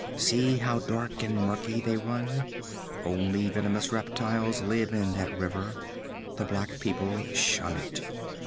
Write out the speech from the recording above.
See how dark and murky they run? Only venomous reptiles live in that river. The black people shun it.